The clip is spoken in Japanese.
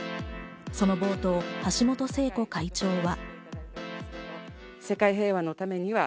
その冒頭、橋本聖子会長は。